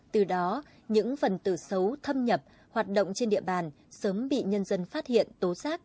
từ đó những phần từ xấu thâm nhập hoạt động trên địa bàn sớm bị nhân dân phát hiện tố xác